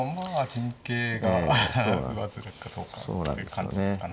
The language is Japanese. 陣形が上ずるかどうかっていう感じですかね。